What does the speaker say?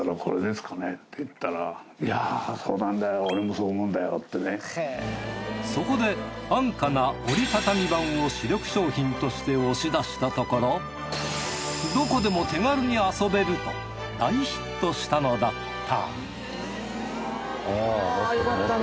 そんなときそこで安価な折りたたみ盤を主力商品として押し出したところどこでも手軽に遊べると大ヒットしたのだった